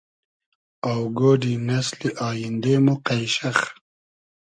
آوگۉۮی نئسلی آییندې مۉ قݷشئخ